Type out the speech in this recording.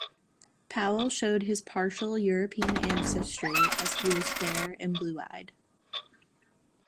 Powell showed his partial European ancestry, as he was fair and blue-eyed.